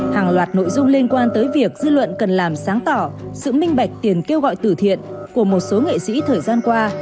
hàng loạt nội dung liên quan tới việc dư luận cần làm sáng tỏ sự minh bạch tiền kêu gọi tử thiện của một số nghệ sĩ thời gian qua